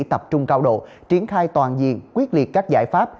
tập trung cao độ triển khai toàn diện quyết liệt các giải pháp